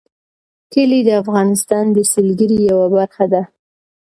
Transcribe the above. کلي د افغانستان د سیلګرۍ یوه برخه ده.